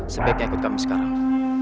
sebaiknya ikut kami sekarang